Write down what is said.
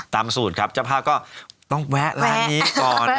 ตามสูตรครับจับห้าก็ต้องแวะร้านนี้ก่อน